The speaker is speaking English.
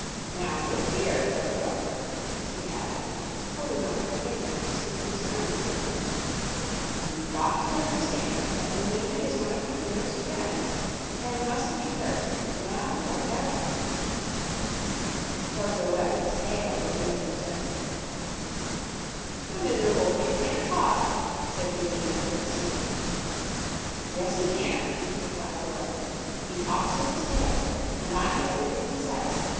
Now look here, Toto," she added, holding up her finger and speaking sternly to him, "you've got to understand that Billina is one of my dearest friends, and musn't be hurt now or ever." Toto wagged his tail as if he understood. "The miserable thing can't talk," said Billina, with a sneer. "Yes, he can," replied Dorothy; "he talks with his tail, and I know everything he says.